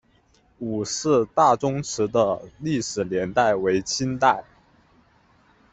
伍氏大宗祠的历史年代为清代。